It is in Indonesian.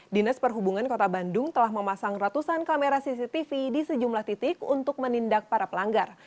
dinas perhubungan kota bandung telah memasang ratusan kamera cctv di sejumlah titik untuk menindak para pelanggar